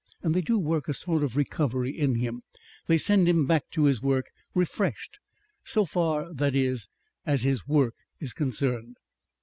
And they do work a sort of recovery in him, They send him back to his work refreshed so far, that is, as his work is concerned."